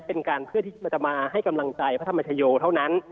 เป็นการเพื่อที่จะมาให้กำลังใจพระธรรมชโยเท่านั้น